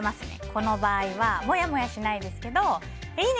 この場合はモヤモヤしないですけどいいね！